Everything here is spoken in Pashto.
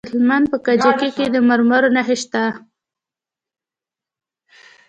د هلمند په کجکي کې د مرمرو نښې شته.